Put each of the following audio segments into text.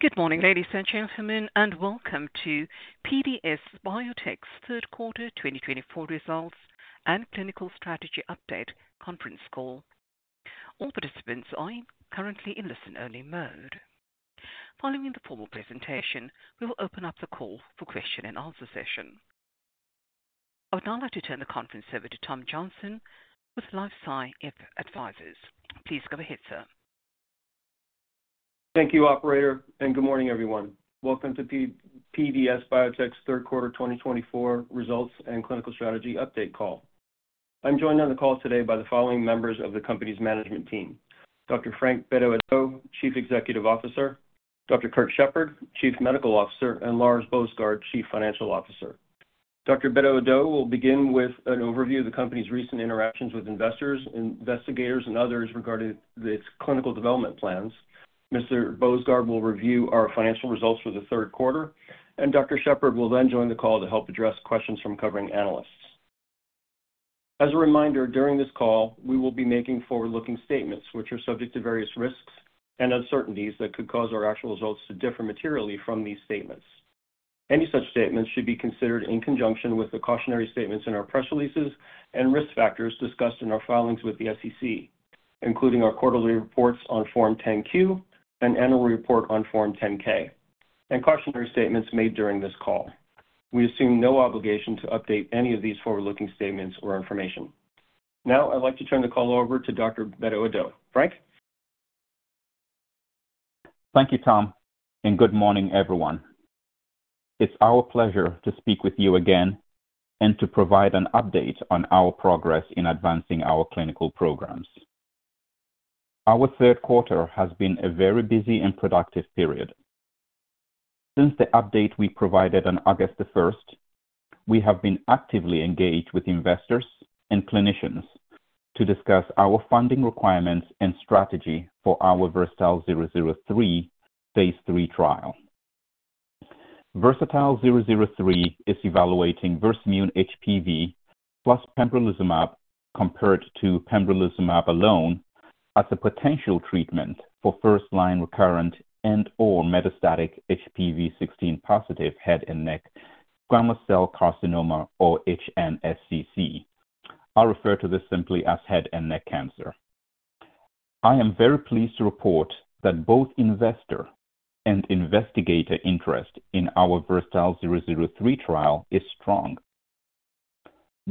Good morning, ladies and gentlemen, and welcome to PDS Biotech's third quarter 2024 results and clinical strategy update conference call. All participants are currently in listen-only mode. Following the formal presentation, we will open up the call for question-and-answer session. I would now like to turn the conference over to Tom Johnson with LifeSci Advisors. Please go ahead, sir. Thank you, Operator, and good morning, everyone. Welcome to PDS Biotech's third quarter 2024 results and clinical strategy update call. I'm joined on the call today by the following members of the company's management team: Dr. Frank Bedu-Addo, Chief Executive Officer; Dr. Kirk Shepard, Chief Medical Officer; and Lars Boesgaard, Chief Financial Officer. Dr. Bedu-Addo will begin with an overview of the company's recent interactions with investors, investigators, and others regarding its clinical development plans. Mr. Boesgaard will review our financial results for the third quarter, and Dr. Shepard will then join the call to help address questions from covering analysts. As a reminder, during this call, we will be making forward-looking statements, which are subject to various risks and uncertainties that could cause our actual results to differ materially from these statements. Any such statements should be considered in conjunction with the cautionary statements in our press releases and risk factors discussed in our filings with the SEC, including our quarterly reports on Form 10-Q and annual report on Form 10-K, and cautionary statements made during this call. We assume no obligation to update any of these forward-looking statements or information. Now, I'd like to turn the call over to Dr. Bedu-Addo. Frank? Thank you, Tom, and good morning, everyone. It's our pleasure to speak with you again and to provide an update on our progress in advancing our clinical programs. Our third quarter has been a very busy and productive period. Since the update we provided on August 1st, we have been actively engaged with investors and clinicians to discuss our funding requirements and strategy for our VERSATILE-003 phase III trial. VERSATILE-003 is evaluating Versamune HPV plus pembrolizumab compared to pembrolizumab alone as a potential treatment for first-line recurrent and/or metastatic HPV16-positive head and neck squamous cell carcinoma, or HNSCC. I'll refer to this simply as head and neck cancer. I am very pleased to report that both investor and investigator interest in our VERSATILE-003 trial is strong.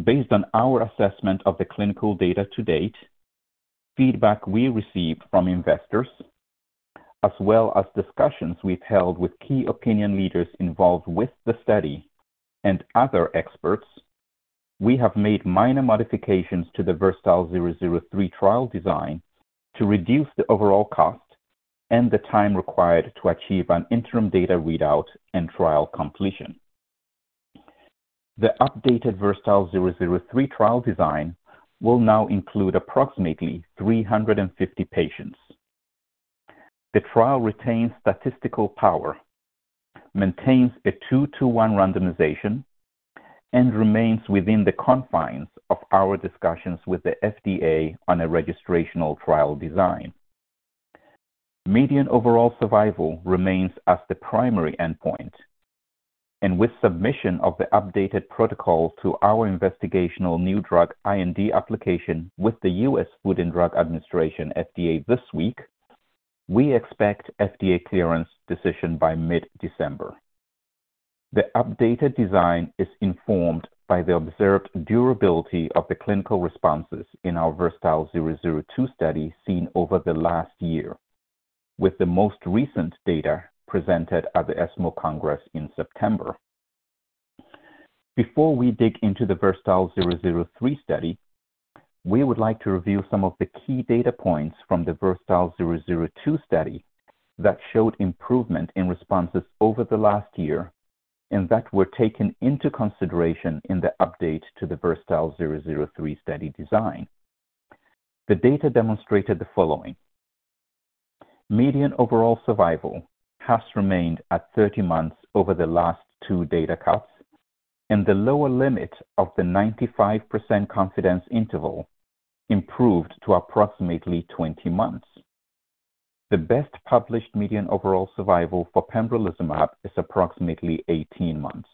Based on our assessment of the clinical data to date, feedback we received from investors, as well as discussions we've held with key opinion leaders involved with the study and other experts, we have made minor modifications to the VERSATILE-003 trial design to reduce the overall cost and the time required to achieve an interim data readout and trial completion. The updated VERSATILE-003 trial design will now include approximately 350 patients. The trial retains statistical power, maintains a two-to-one randomization, and remains within the confines of our discussions with the FDA on a registrational trial design. Median overall survival remains as the primary endpoint, and with submission of the updated protocol to our Investigational New Drug IND application with the US. Food and Drug Administration (FDA) this week, we expect FDA clearance decision by mid-December. The updated design is informed by the observed durability of the clinical responses in our VERSATILE-002 study seen over the last year, with the most recent data presented at the ESMO Congress in September. Before we dig into the VERSATILE-003 study, we would like to review some of the key data points from the VERSATILE-002 study that showed improvement in responses over the last year and that were taken into consideration in the update to the VERSATILE-003 study design. The data demonstrated the following: median overall survival has remained at 30 months over the last two data cuts, and the lower limit of the 95% confidence interval improved to approximately 20 months. The best published median overall survival for pembrolizumab is approximately 18 months.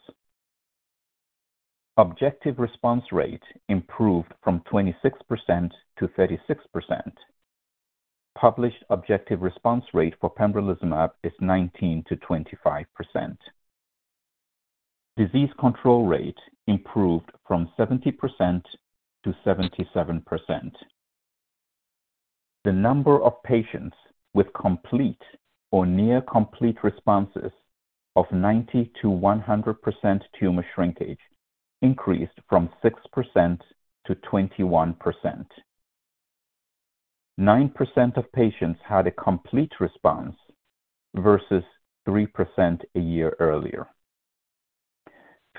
Objective response rate improved from 26%-36%. The published objective response rate for pembrolizumab is 19%-25%. Disease control rate improved from 70% to 77%. The number of patients with complete or near-complete responses of 90%-100% tumor shrinkage increased from 6% to 21%. 9% of patients had a complete response versus 3% a year earlier.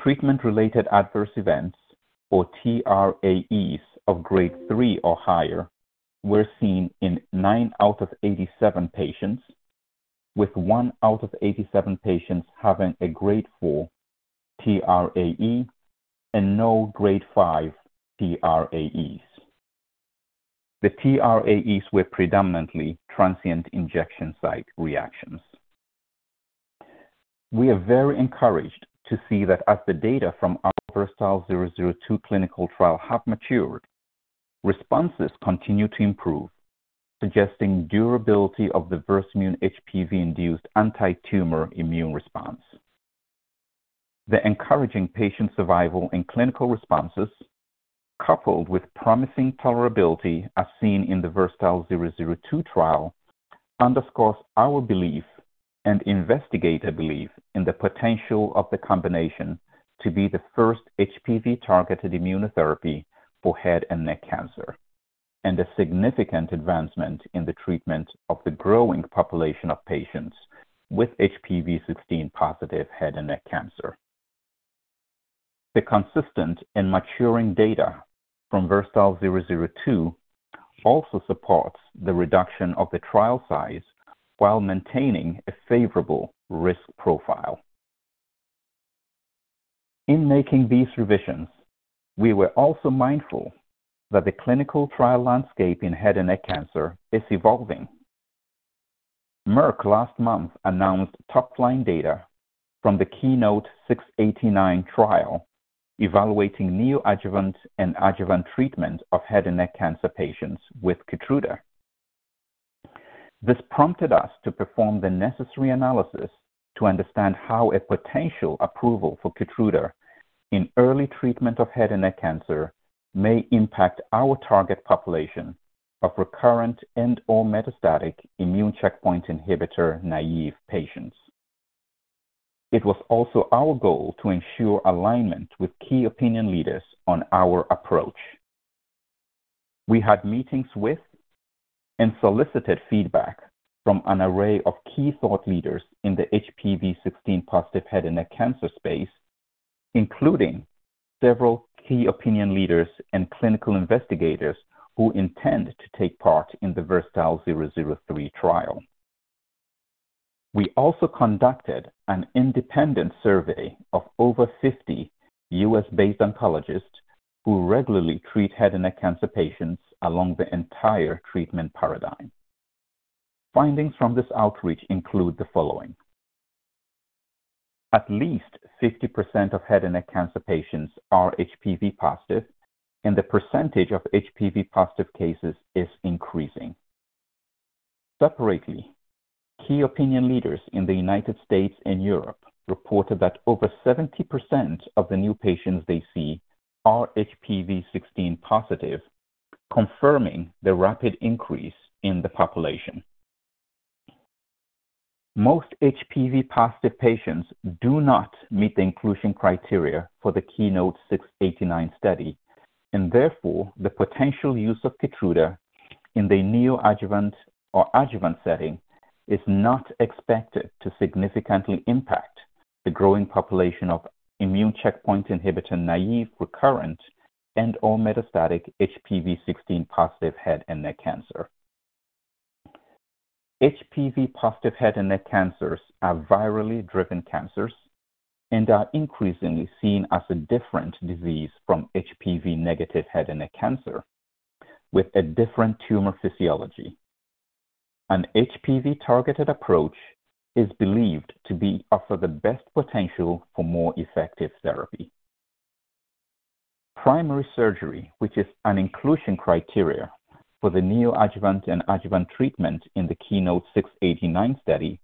Treatment-related adverse events, or TRAEs, of grade 3 or higher were seen in nine out of 87 patients, with one out of 87 patients having a grade 4 TRAE and no grade 5 TRAEs. The TRAEs were predominantly transient injection site reactions. We are very encouraged to see that as the data from our VERSATILE-002 clinical trial have matured, responses continue to improve, suggesting durability of the Versamune HPV-induced anti-tumor immune response. The encouraging patient survival and clinical responses, coupled with promising tolerability as seen in the VERSATILE-002 trial, underscores our belief and investigator belief in the potential of the combination to be the first HPV-targeted immunotherapy for head and neck cancer and a significant advancement in the treatment of the growing population of patients with HPV16-positive head and neck cancer. The consistent and maturing data from VERSATILE-002 also supports the reduction of the trial size while maintaining a favorable risk profile. In making these revisions, we were also mindful that the clinical trial landscape in head and neck cancer is evolving. Merck last month announced top-line data from the KEYNOTE-689 trial evaluating neoadjuvant and adjuvant treatment of head and neck cancer patients with Keytruda. This prompted us to perform the necessary analysis to understand how a potential approval for Keytruda in early treatment of head and neck cancer may impact our target population of recurrent and/or metastatic immune checkpoint inhibitor naive patients. It was also our goal to ensure alignment with key opinion leaders on our approach. We had meetings with and solicited feedback from an array of key thought leaders in the HPV16-positive head and neck cancer space, including several key opinion leaders and clinical investigators who intend to take part in the VERSATILE-003 trial. We also conducted an independent survey of over 50 U.S.-based oncologists who regularly treat head and neck cancer patients along the entire treatment paradigm. Findings from this outreach include the following: at least 50% of head and neck cancer patients are HPV positive, and the percentage of HPV positive cases is increasing. Separately, key opinion leaders in the United States and Europe reported that over 70% of the new patients they see are HPV16-positive, confirming the rapid increase in the population. Most HPV positive patients do not meet the inclusion criteria for the KEYNOTE-689 study, and therefore the potential use of Keytruda in the neoadjuvant or adjuvant setting is not expected to significantly impact the growing population of immune checkpoint inhibitor naive recurrent and/or metastatic HPV16-positive head and neck cancer. HPV positive head and neck cancers are virally driven cancers and are increasingly seen as a different disease from HPV negative head and neck cancer, with a different tumor physiology. An HPV-targeted approach is believed to offer the best potential for more effective therapy. Primary surgery, which is an inclusion criteria for the neoadjuvant and adjuvant treatment in the KEYNOTE-689 study,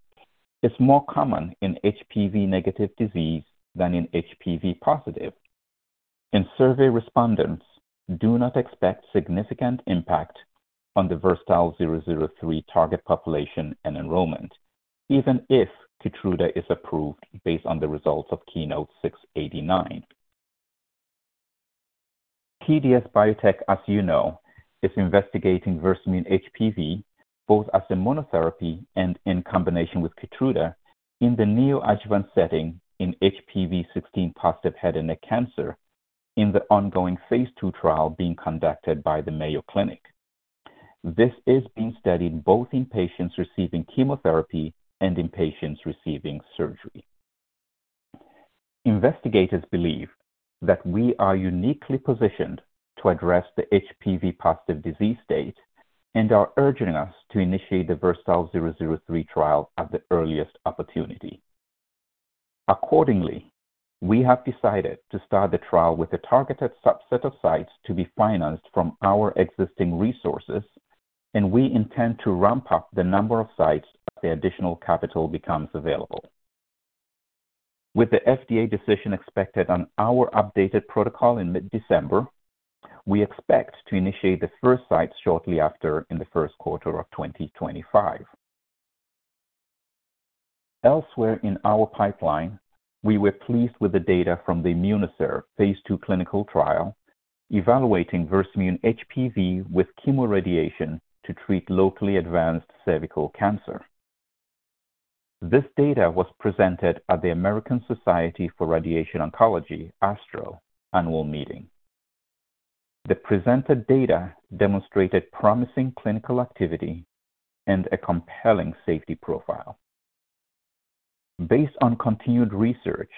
is more common in HPV negative disease than in HPV positive, and survey respondents do not expect significant impact on the VERSATILE-003 target population and enrollment, even if Keytruda is approved based on the results of KEYNOTE-689. PDS Biotech, as you know, is investigating Versamune HPV both as a monotherapy and in combination with Keytruda in the neoadjuvant setting in HPV16-positive head and neck cancer in the ongoing phase II trial being conducted by the Mayo Clinic. This is being studied both in patients receiving chemotherapy and in patients receiving surgery. Investigators believe that we are uniquely positioned to address the HPV positive disease state and are urging us to initiate the VERSATILE-003 trial at the earliest opportunity. Accordingly, we have decided to start the trial with a targeted subset of sites to be financed from our existing resources, and we intend to ramp up the number of sites as the additional capital becomes available. With the FDA decision expected on our updated protocol in mid-December, we expect to initiate the first sites shortly after in the first quarter of 2025. Elsewhere in our pipeline, we were pleased with the data from the IMMUNOCERV phase II clinical trial evaluating Versamune HPV with chemoradiation to treat locally advanced cervical cancer. This data was presented at the American Society for Radiation Oncology (ASTRO) annual meeting. The presented data demonstrated promising clinical activity and a compelling safety profile. Based on continued research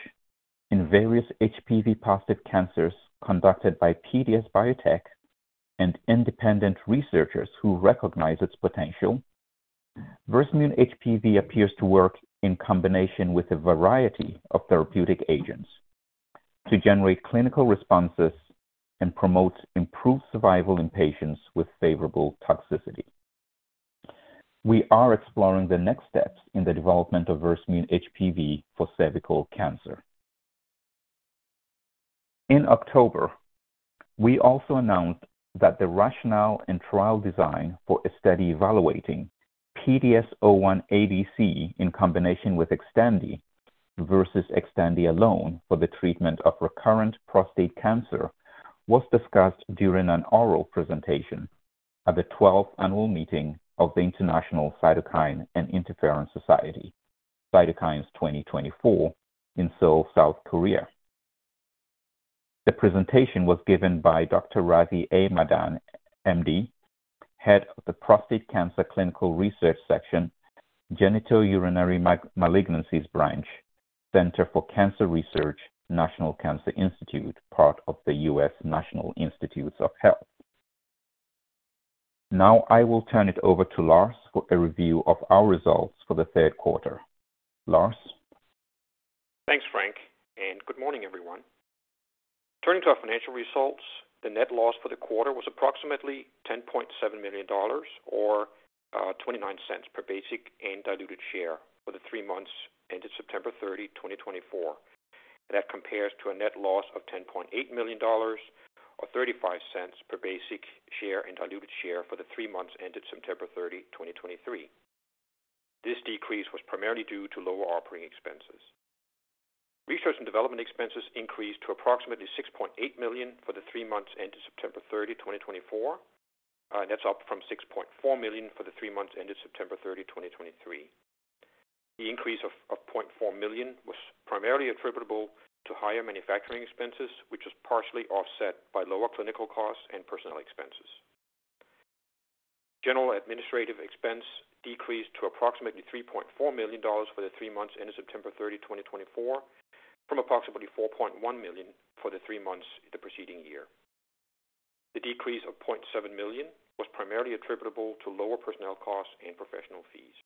in various HPV positive cancers conducted by PDS Biotech and independent researchers who recognize its potential, Versamune HPV appears to work in combination with a variety of therapeutic agents to generate clinical responses and promote improved survival in patients with favorable toxicity. We are exploring the next steps in the development of Versamune HPV for cervical cancer. In October, we also announced that the rationale and trial design for a study evaluating PDS01ADC in combination with Xtandi versus Xtandi alone for the treatment of recurrent prostate cancer was discussed during an oral presentation at the 12th annual meeting of the International Cytokine and Interferon Society, Cytokines 2024, in Seoul, South Korea. The presentation was given by Dr. Ravi A. Madan, M.D., Head of the Prostate Cancer Clinical Research Section, Genitourinary Malignancies Branch, Center for Cancer Research, National Cancer Institute, part of the US National Institutes of Health. Now I will turn it over to Lars for a review of our results for the third quarter. Lars? Thanks, Frank, and good morning, everyone. Turning to our financial results, the net loss for the quarter was approximately $10.7 million, or $0.29 per basic and diluted share for the three months ended September 30, 2024. That compares to a net loss of $10.8 million, or $0.35 per basic share and diluted share for the three months ended September 30, 2023. This decrease was primarily due to lower operating expenses. Research and development expenses increased to approximately $6.8 million for the three months ended September 30, 2024, and that's up from $6.4 million for the three months ended September 30, 2023. The increase of $0.4 million was primarily attributable to higher manufacturing expenses, which was partially offset by lower clinical costs and personnel expenses. General administrative expense decreased to approximately $3.4 million for the three months ended September 30, 2024, from approximately $4.1 million for the three months the preceding year. The decrease of $0.7 million was primarily attributable to lower personnel costs and professional fees.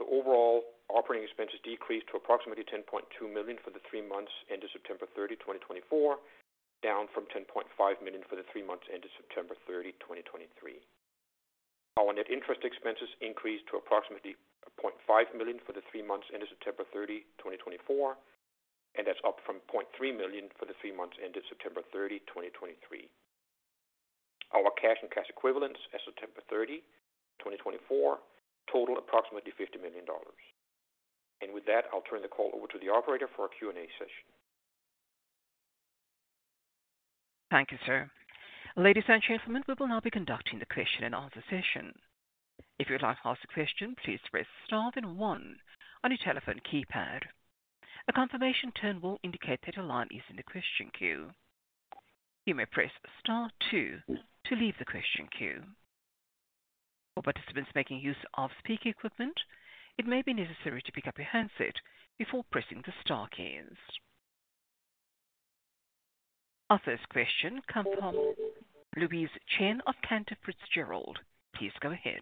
The overall operating expenses decreased to approximately $10.2 million for the three months ended September 30, 2024, down from $10.5 million for the three months ended September 30, 2023. Our net interest expenses increased to approximately $0.5 million for the three months ended September 30, 2024, and that's up from $0.3 million for the three months ended September 30, 2023. Our cash and cash equivalents as of September 30, 2024 totaled approximately $50 million. And with that, I'll turn the call over to the operator for a Q&A session. Thank you, sir. Ladies and gentlemen, we will now be conducting the question-and-answer session. If you would like to ask a question, please press star then one on your telephone keypad. A confirmation tone will indicate that your line is in the question queue. You may press star two to leave the question queue. For participants making use of speaker equipment, it may be necessary to pick up your handset before pressing the star keys. Our first question comes from Louise Chen of Cantor Fitzgerald. Please go ahead.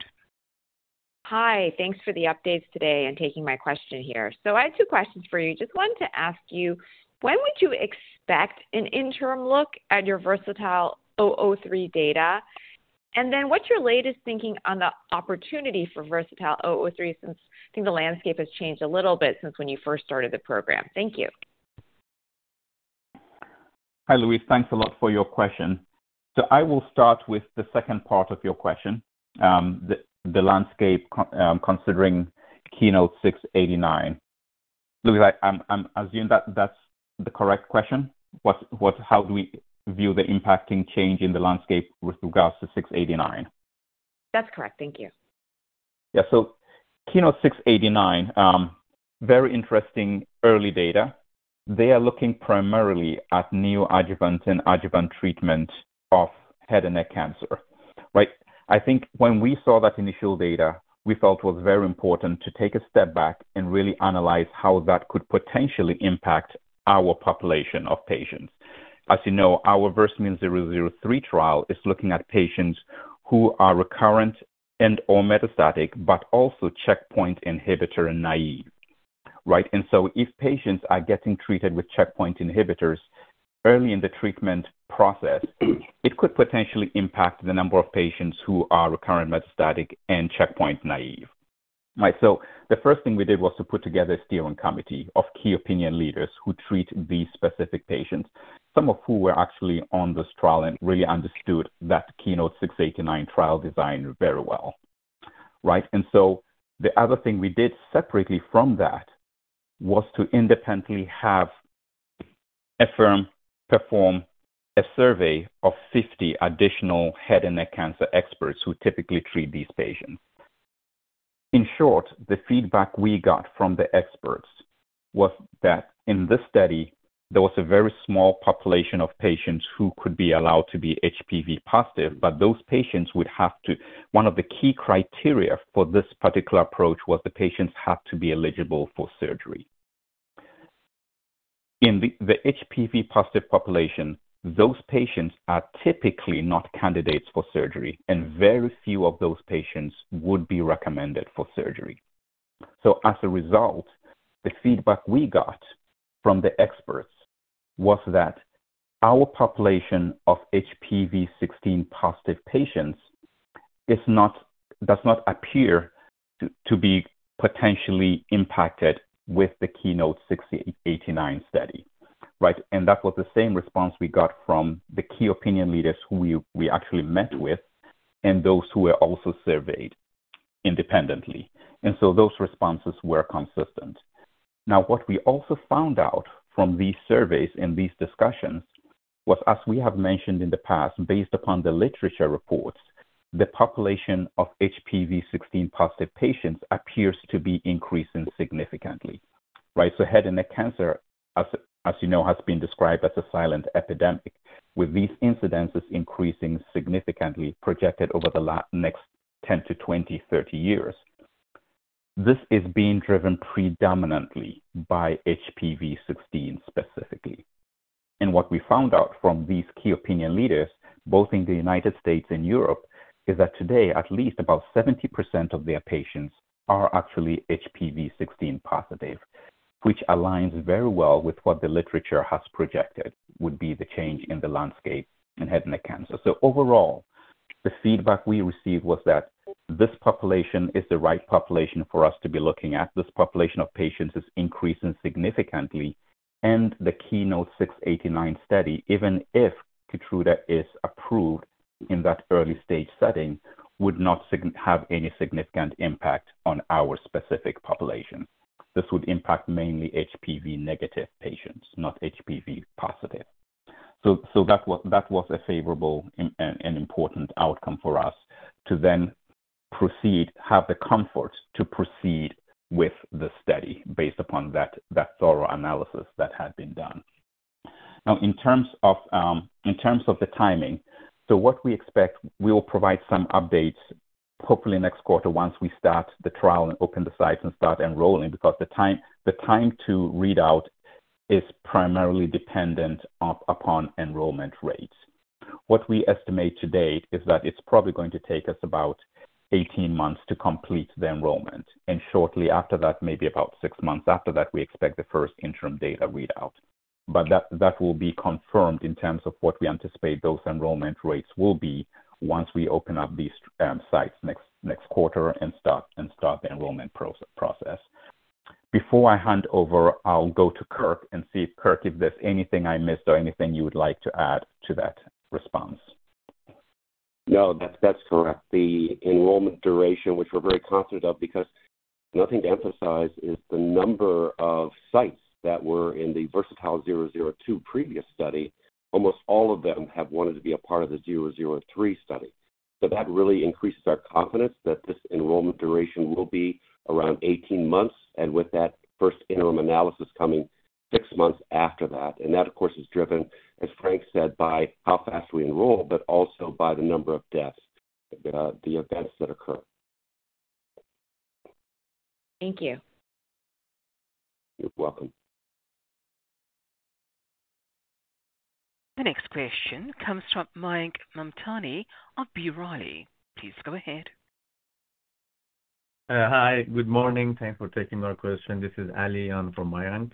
Hi, thanks for the updates today and taking my question here. So I have two questions for you. Just wanted to ask you, when would you expect an interim look at your VERSATILE-003 data? And then what's your latest thinking on the opportunity for VERSATILE-003 since I think the landscape has changed a little bit since when you first started the program? Thank you. Hi, Louise. Thanks a lot for your question. So I will start with the second part of your question, the landscape considering KEYNOTE-689. Louise, I'm assuming that that's the correct question. How do we view the impacting change in the landscape with regards to 689? That's correct. Thank you. Yeah. So KEYNOTE-689, very interesting early data. They are looking primarily at neoadjuvant and adjuvant treatment of head and neck cancer. Right? I think when we saw that initial data, we felt it was very important to take a step back and really analyze how that could potentially impact our population of patients. As you know, our VERSATILE-003 trial is looking at patients who are recurrent and/or metastatic, but also checkpoint inhibitor naive. Right? And so if patients are getting treated with checkpoint inhibitors early in the treatment process, it could potentially impact the number of patients who are recurrent, metastatic, and checkpoint naive. Right? So the first thing we did was to put together a steering committee of key opinion leaders who treat these specific patients, some of whom were actually on this trial and really understood that KEYNOTE-689 trial design very well. Right? And so the other thing we did separately from that was to independently have a firm perform a survey of 50 additional head and neck cancer experts who typically treat these patients. In short, the feedback we got from the experts was that in this study, there was a very small population of patients who could be allowed to be HPV positive, but those patients would have to. One of the key criteria for this particular approach was the patients had to be eligible for surgery. In the HPV positive population, those patients are typically not candidates for surgery, and very few of those patients would be recommended for surgery. So as a result, the feedback we got from the experts was that our population of HPV16-positive patients does not appear to be potentially impacted with the KEYNOTE-689 study. Right? And that was the same response we got from the key opinion leaders who we actually met with and those who were also surveyed independently. And so those responses were consistent. Now, what we also found out from these surveys and these discussions was, as we have mentioned in the past, based upon the literature reports, the population of HPV16-positive patients appears to be increasing significantly. Right? So head and neck cancer, as you know, has been described as a silent epidemic, with these incidences increasing significantly projected over the next 10 to 20, 30 years. This is being driven predominantly by HPV16 specifically. And what we found out from these key opinion leaders, both in the United States and Europe, is that today, at least about 70% of their patients are actually HPV16-positive, which aligns very well with what the literature has projected would be the change in the landscape in head and neck cancer. So overall, the feedback we received was that this population is the right population for us to be looking at. This population of patients is increasing significantly, and the KEYNOTE-689 study, even if Keytruda is approved in that early-stage setting, would not have any significant impact on our specific population. This would impact mainly HPV negative patients, not HPV positive. So that was a favorable and important outcome for us to then proceed, have the comfort to proceed with the study based upon that thorough analysis that had been done. Now, in terms of the timing, so what we expect, we will provide some updates hopefully next quarter once we start the trial and open the sites and start enrolling because the time to read out is primarily dependent upon enrollment rates. What we estimate to date is that it's probably going to take us about 18 months to complete the enrollment. And shortly after that, maybe about six months after that, we expect the first interim data readout. But that will be confirmed in terms of what we anticipate those enrollment rates will be once we open up these sites next quarter and start the enrollment process. Before I hand over, I'll go to Kirk and see if Kirk, if there's anything I missed or anything you would like to add to that response. No, that's correct. The enrollment duration, which we're very confident of because, nothing to emphasize, is the number of sites that were in the VERSATILE-002 previous study. Almost all of them have wanted to be a part of the VERSATILE-003 study. So that really increases our confidence that this enrollment duration will be around 18 months, and with that first interim analysis coming six months after that. And that, of course, is driven, as Frank said, by how fast we enroll, but also by the number of deaths, the events that occur. Thank you. You're welcome. The next question comes from Mayank Mamtani of B. Riley. Please go ahead. Hi. Good morning. Thanks for taking our question. This is Ali Ya for Mayank.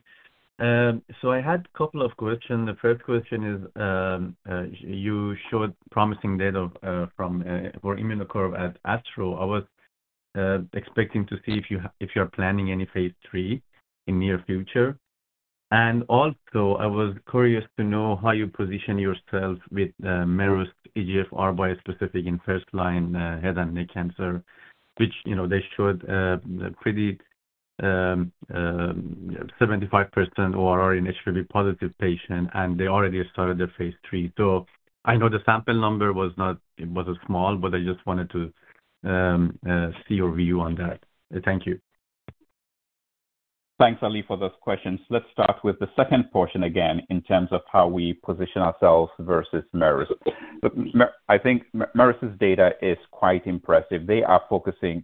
So I had a couple of questions. The first question is, you showed promising data for IMMUNOCERV at ASTRO. I was expecting to see if you are planning any phase III in the near future. And also, I was curious to know how you position yourself with Merus EGFR bispecific in first-line head and neck cancer, which they showed a pretty 75% ORR in HPV positive patients, and they already started their phase III. So I know the sample number was small, but I just wanted to see your view on that. Thank you. Thanks, Ali, for those questions. Let's start with the second portion again in terms of how we position ourselves versus Merus. I think Merus' data is quite impressive. They are focusing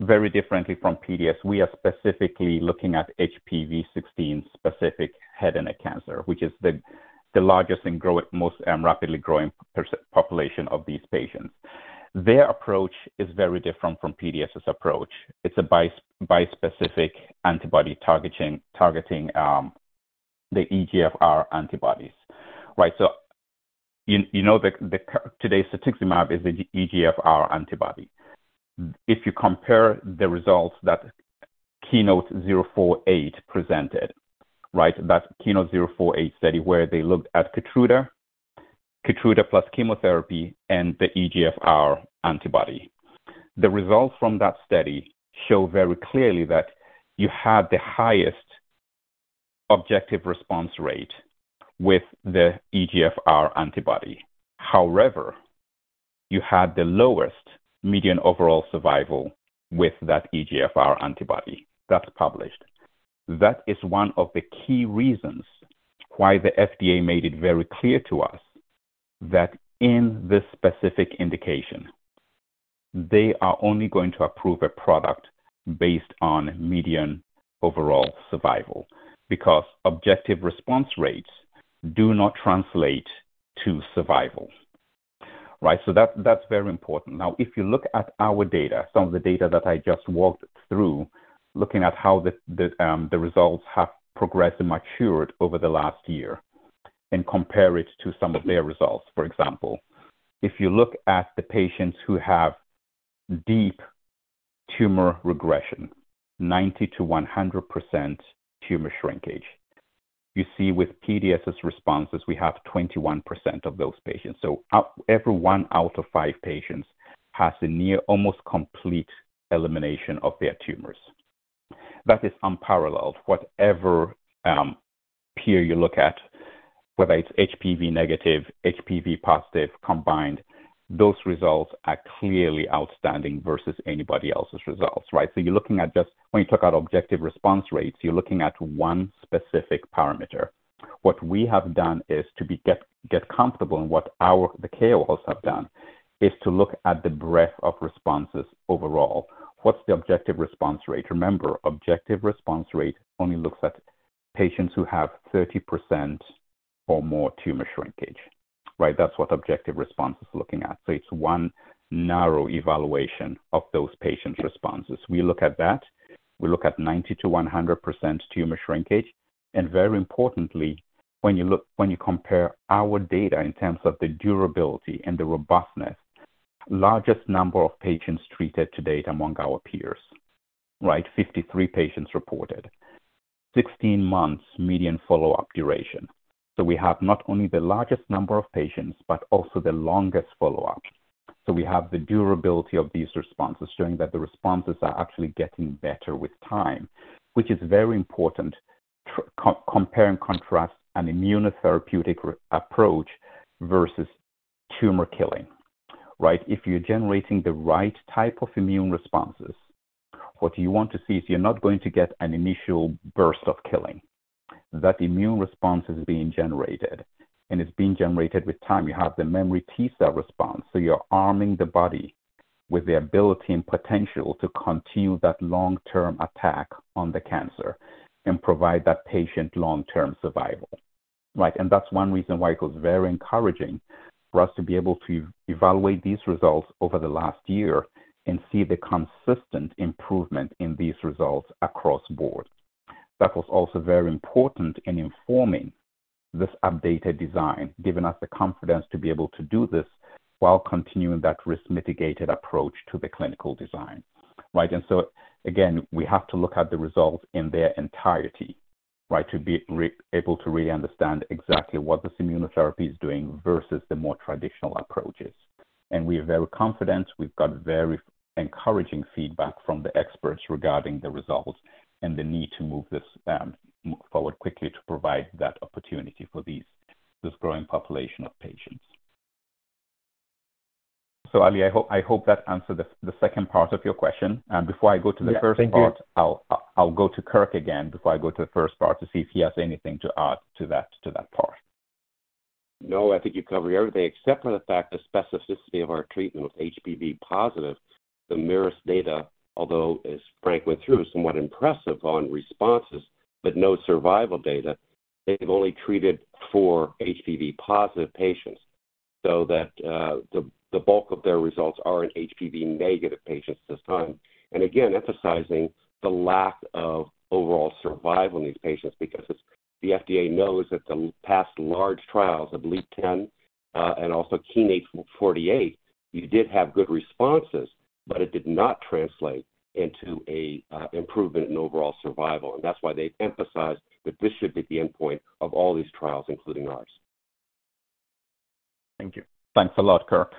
very differently from PDS. We are specifically looking at HPV16-specific head and neck cancer, which is the largest and most rapidly growing population of these patients. Their approach is very different from PDS's approach. It's a bispecific antibody targeting the EGFR antibodies. Right? So you know today's statistical map is the EGFR antibody. If you compare the results that KEYNOTE-048 presented, right, that KEYNOTE-048 study where they looked at Keytruda, Keytruda plus chemotherapy, and the EGFR antibody, the results from that study show very clearly that you had the highest objective response rate with the EGFR antibody. However, you had the lowest median overall survival with that EGFR antibody that's published. That is one of the key reasons why the FDA made it very clear to us that in this specific indication, they are only going to approve a product based on median overall survival because objective response rates do not translate to survival. Right? So that's very important. Now, if you look at our data, some of the data that I just walked through, looking at how the results have progressed and matured over the last year and compare it to some of their results, for example, if you look at the patients who have deep tumor regression, 90%-100% tumor shrinkage, you see with PDS's responses, we have 21% of those patients. So every one out of five patients has a near almost complete elimination of their tumors. That is unparalleled. Whatever peer you look at, whether it's HPV negative, HPV positive combined, those results are clearly outstanding versus anybody else's results. Right? So you're looking at just when you talk about objective response rates, you're looking at one specific parameter. What we have done is to get comfortable in what the KOLs have done is to look at the breadth of responses overall. What's the objective response rate? Remember, objective response rate only looks at patients who have 30% or more tumor shrinkage. Right? That's what objective response is looking at. So it's one narrow evaluation of those patients' responses. We look at that. We look at 90%-100% tumor shrinkage. And very importantly, when you compare our data in terms of the durability and the robustness, largest number of patients treated to date among our peers. Right? 53 patients reported. 16 months median follow-up duration. So we have not only the largest number of patients, but also the longest follow-up. So we have the durability of these responses showing that the responses are actually getting better with time, which is very important comparing contrast an immunotherapeutic approach versus tumor killing. Right? If you're generating the right type of immune responses, what you want to see is you're not going to get an initial burst of killing. That immune response is being generated, and it's being generated with time. You have the memory T-cell response. So you're arming the body with the ability and potential to continue that long-term attack on the cancer and provide that patient long-term survival. Right? And that's one reason why it was very encouraging for us to be able to evaluate these results over the last year and see the consistent improvement in these results across the board. That was also very important in informing this updated design, giving us the confidence to be able to do this while continuing that risk-mitigated approach to the clinical design. Right? And so again, we have to look at the results in their entirety, right, to be able to really understand exactly what this immunotherapy is doing versus the more traditional approaches. And we are very confident. We've got very encouraging feedback from the experts regarding the results and the need to move this forward quickly to provide that opportunity for this growing population of patients. So Ali, I hope that answered the second part of your question. Before I go to the first part. I'll go to Kirk again before I go to the first part to see if he has anything to add to that part. No, I think you've covered everything except for the fact the specificity of our treatment with HPV positive. The Merus data, although, as Frank went through, is somewhat impressive on responses, but no survival data. They've only treated four HPV positive patients. So that the bulk of their results are in HPV negative patients this time. And again, emphasizing the lack of overall survival in these patients because the FDA knows that the past large trials of LEAP-10 and also KEYNOTE-048. You did have good responses, but it did not translate into an improvement in overall survival. And that's why they've emphasized that this should be the endpoint of all these trials, including ours. Thank you. Thanks a lot, Kirk.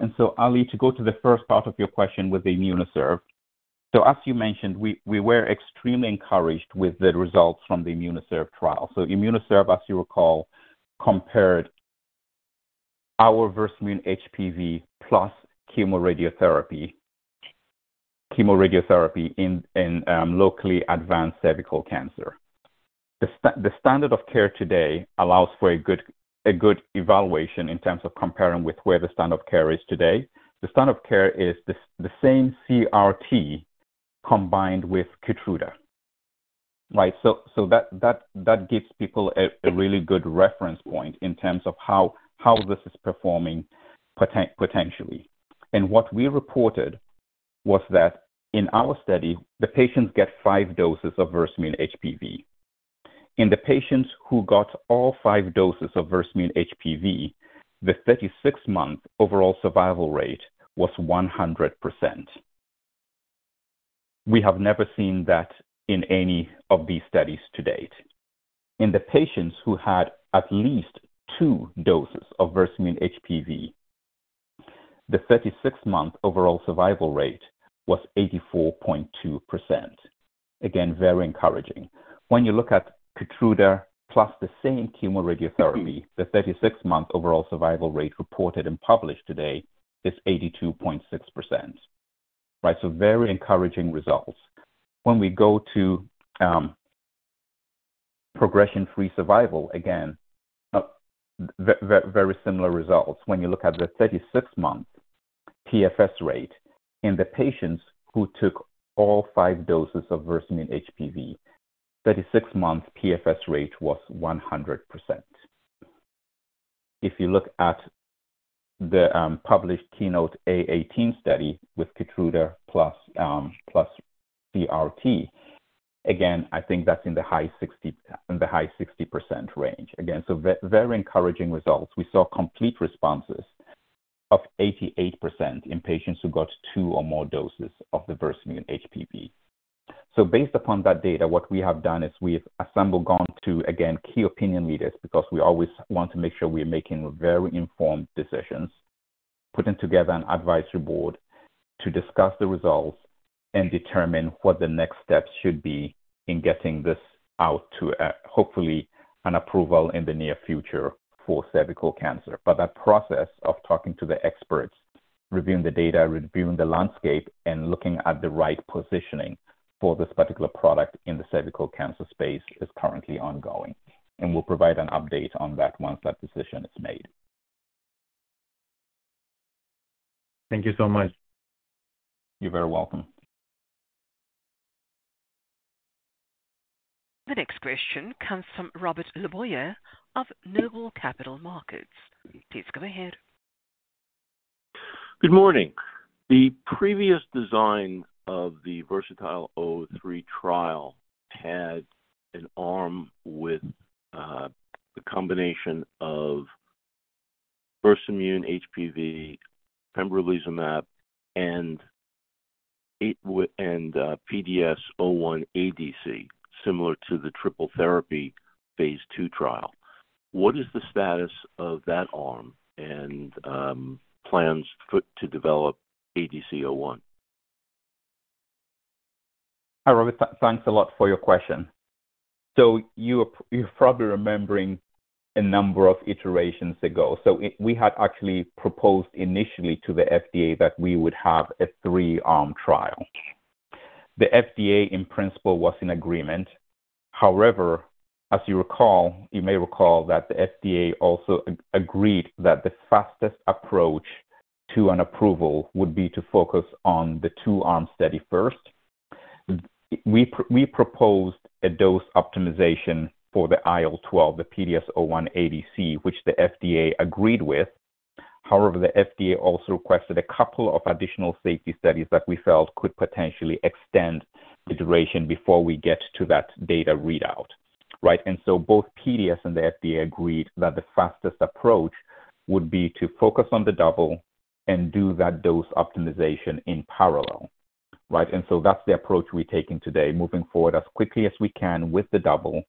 And so, Ali, to go to the first part of your question with the IMMUNOCERV. So as you mentioned, we were extremely encouraged with the results from the IMMUNOCERV trial. So IMMUNOCERV, as you recall, compared our versus HPV plus chemoradiotherapy and chemoradiotherapy in locally advanced cervical cancer. The standard of care today allows for a good evaluation in terms of comparing with where the standard of care is today. The standard of care is the same CRT combined with Keytruda. Right? So that gives people a really good reference point in terms of how this is performing potentially. And what we reported was that in our study, the patients get five doses of Versamune HPV. In the patients who got all five doses of Versamune HPV, the 36-month overall survival rate was 100%. We have never seen that in any of these studies to date. In the patients who had at least two doses of Versamune HPV, the 36-month overall survival rate was 84.2%. Again, very encouraging. When you look at Keytruda plus the same chemoradiotherapy, the 36-month overall survival rate reported and published today is 82.6%. Right? So very encouraging results. When we go to progression-free survival, again, very similar results. When you look at the 36-month PFS rate in the patients who took all five doses of Versamune HPV, 36-month PFS rate was 100%. If you look at the published KEYNOTE-A18 study with Keytruda plus CRT, again, I think that's in the high 60% range. Again, so very encouraging results. We saw complete responses of 88% in patients who got two or more doses of the Versamune HPV. So based upon that data, what we have done is we've assembled, gone to, again, key opinion leaders because we always want to make sure we're making very informed decisions, putting together an advisory board to discuss the results and determine what the next steps should be in getting this out to hopefully an approval in the near future for cervical cancer. But that process of talking to the experts, reviewing the data, reviewing the landscape, and looking at the right positioning for this particular product in the cervical cancer space is currently ongoing. And we'll provide an update on that once that decision is made. Thank you so much. You're very welcome. The next question comes from Robert LeBoyer of NOBLE Capital Markets. Please go ahead. Good morning. The previous design of the VERSATILE-003 trial had an arm with the combination of Versamune HPV, pembrolizumab, and PDS01ADC, similar to the triple therapy phase II trial. What is the status of that arm and plans to develop PDS01ADC? Hi, Robert. Thanks a lot for your question. So you're probably remembering a number of iterations ago. So we had actually proposed initially to the FDA that we would have a three-arm trial. The FDA, in principle, was in agreement. However, as you recall, you may recall that the FDA also agreed that the fastest approach to an approval would be to focus on the two-arm study first. We proposed a dose optimization for the IL-12, the PDS01ADC, which the FDA agreed with. However, the FDA also requested a couple of additional safety studies that we felt could potentially extend the duration before we get to that data readout. Right? And so both PDS and the FDA agreed that the fastest approach would be to focus on the doublet and do that dose optimization in parallel. Right? And so that's the approach we're taking today, moving forward as quickly as we can with the double,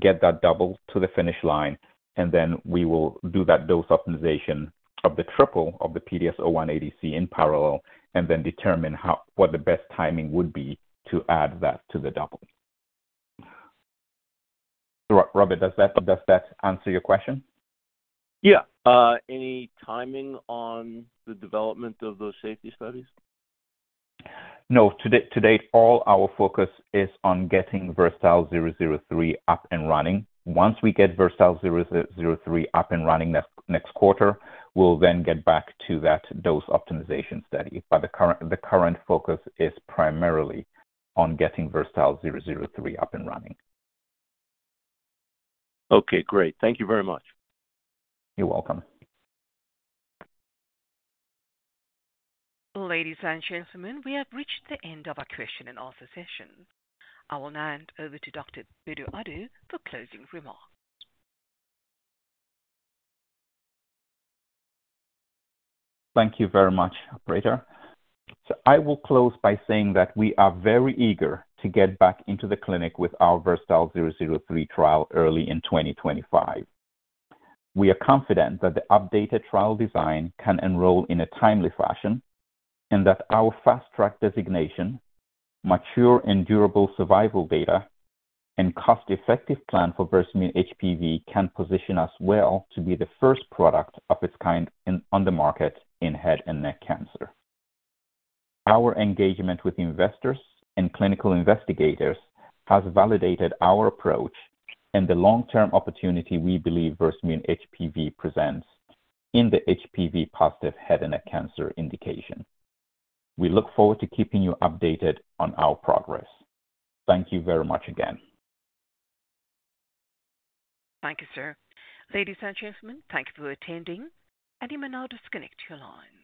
get that double to the finish line, and then we will do that dose optimization of the triple of the PDS01ADC in parallel and then determine what the best timing would be to add that to the double. Robert, does that answer your question? Yeah. Any timing on the development of those safety studies? No. To date, all our focus is on getting VERSATILE-003 up and running. Once we get VERSATILE-003 up and running next quarter, we'll then get back to that dose optimization study. But the current focus is primarily on getting VERSATILE-003 up and running. Okay. Great. Thank you very much. You're welcome. Ladies and gentlemen, we have reached the end of our question and answer session. I will now hand over to Dr. Bedu-Addo for closing remarks. Thank you very much, Operator. So I will close by saying that we are very eager to get back into the clinic with our VERSATILE-003 trial early in 2025. We are confident that the updated trial design can enroll in a timely fashion and that our Fast Track designation, mature and durable survival data, and cost-effective plan for Versamune HPV can position us well to be the first product of its kind on the market in head and neck cancer. Our engagement with investors and clinical investigators has validated our approach and the long-term opportunity we believe Versamune HPV presents in the HPV positive head and neck cancer indication. We look forward to keeping you updated on our progress. Thank you very much again. Thank you, sir. Ladies and gentlemen, thank you for attending, and you may now disconnect your line.